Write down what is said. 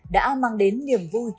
đã mang đến niềm vui